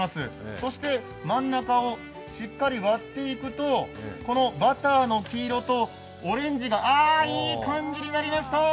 そして真ん中をしっかり割っていくとこのバターの黄色とオレンジがああ、いい感じになりました。